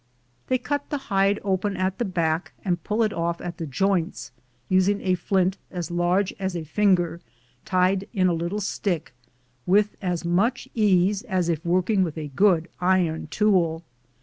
They cut the hide open at the back and pull it off at the joints, using a flint as large as a finger, tied in a little stick, with as much ease as if working with a good iron tool.